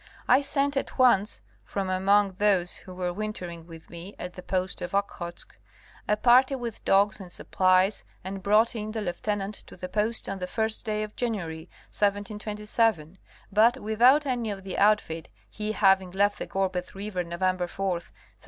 I sent at once, from among those who were wintering with me at the post of Okhotsk, a party with dogs and supplies and brought in the Lieutenant to the post on the first day of January, 1727, but without any of the outfit, he having left the Gorbeh river November 4th, 1726.